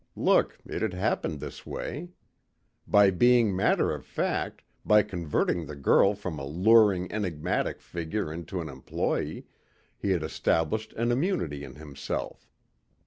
Look, it had happened this way. By being matter of fact, by converting the girl from a luring, enigmatic figure into an employee, he had established an immunity in himself.